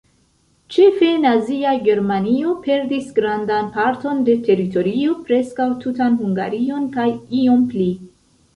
Ĉefe Nazia Germanio perdis grandan parton de teritorio, preskaŭ tutan Hungarion kaj iom pli.